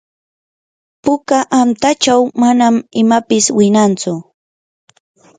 puka antachaw manan imapis winantsu.